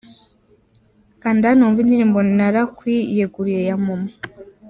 Kanda hano wumve indirimbo Narakwiyeguriye ya Momo.